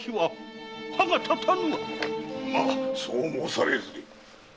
そう申されずに。